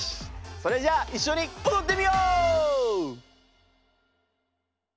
それじゃいっしょにおどってみよう！